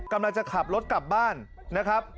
กำลังจะขับรถกลับบ้านนะครับ